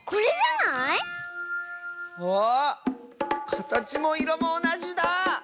かたちもいろもおなじだあ！